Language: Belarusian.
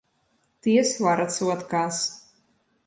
Тыя сварацца ў адказ.